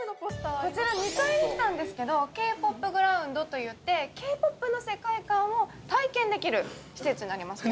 こちら２階に来たんですけどＫ−ＰＯＰＧＲＯＵＮＤといってＫ−ＰＯＰの世界観を体験できる施設になります